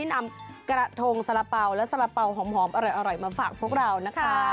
นำกระทงสาระเป๋าและสาระเป๋าหอมอร่อยมาฝากพวกเรานะคะ